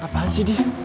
apaan sih dia